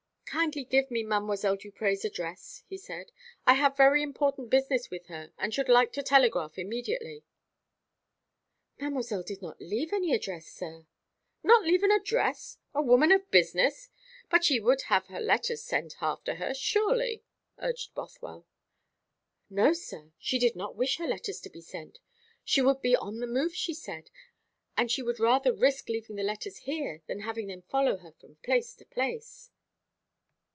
"Kindly give me Mdlle. Duprez's address," he said. "I have very important business with her, and should like to telegraph immediately." "Mademoiselle did not leave any address, sir." "Not leave any address? A woman of business! But she would have her letters sent after her, surely," urged Bothwell. "No, sir. She did not wish her letters to be sent. She would be on the move, she said; and she would rather risk leaving the letters here than having them follow her from place to place."